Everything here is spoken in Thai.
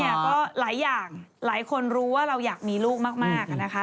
ก็หลายอย่างหลายคนรู้ว่าเราอยากมีลูกมากนะคะ